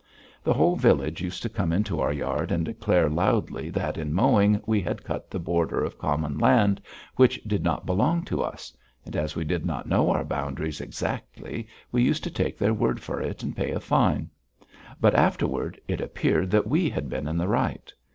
The whole village used to come into our yard and declare loudly that in mowing we had cut the border of common land which did not belong to us; and as we did not know our boundaries exactly we used to take their word for it and pay a fine. But afterward it appeared that we had been in the right.